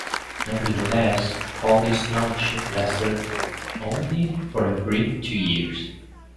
Nevertheless, Pauli's township lasted only for a brief two years.